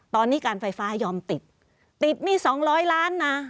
ตอนนี้การไฟฟ้ายอมติดติดมี๒๐๐ล้านนะ